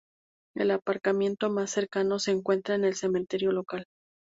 El aparcamiento más cercano se encuentra en el cementerio local.